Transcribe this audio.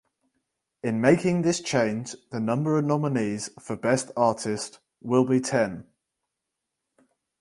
In making this change the number of nominees for Best Artist will be ten.